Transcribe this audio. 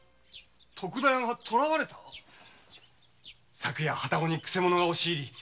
昨夜旅籠に曲者が押し入り